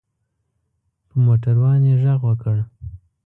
په موټر وان یې غږ وکړ.